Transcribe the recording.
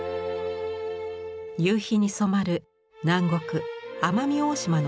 夕日に染まる南国奄美大島の海辺です。